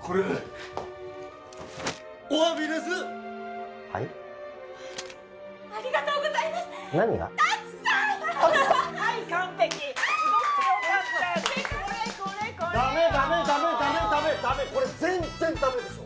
これ全然ダメでしょ。